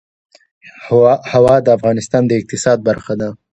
هوا د افغانستان د اقتصاد برخه ده.